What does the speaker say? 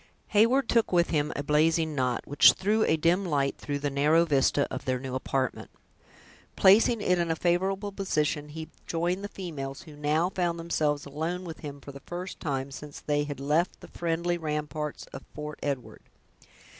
Heyward took with him a blazing knot, which threw a dim light through the narrow vista of their new apartment. Placing it in a favorable position, he joined the females, who now found themselves alone with him for the first time since they had left the friendly ramparts of Fort Edward.